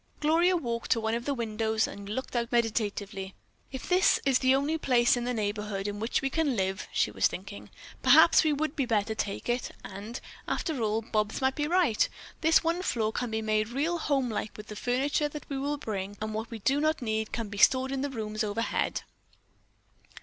Gloria walked to one of the windows and looked out meditatively. "If this is the only place in the neighborhood in which we can live," she was thinking, "perhaps we would better take it, and, after all, Bobs may be right: this one floor can be made real homelike with the furniture that we will bring, and what we do not need can be stored in the rooms overhead."